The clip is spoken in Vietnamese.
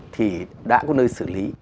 thì đã có nơi xử lý